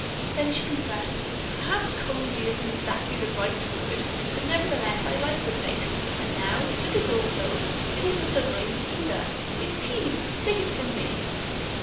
Then she confessed, "Perhaps cozy isn't exactly the right word, but nevertheless I like the place, and now, with the door closed, it isn't so noisy either. It's keen, take it from me."